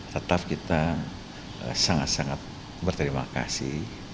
tetap kita sangat sangat berterima kasih